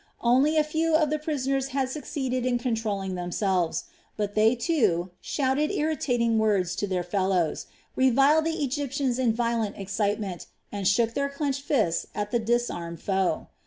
Only a few of the prisoners had succeeded in controlling themselves; but they, too, shouted irritating words to their fellows, reviled the Egyptians in violent excitement, and shook their clenched fists at the disarmed foe.